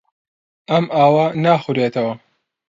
ئەم ئاوە ناخورێتەوە.